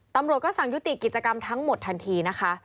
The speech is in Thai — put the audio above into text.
ตำรวจก็สั่งยุติกิจกรรมทั้งหมดทันทีนะคะ